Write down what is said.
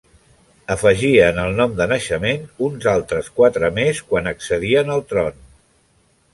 Afegien al nom de naixement uns altres quatre més quan accedien al tron.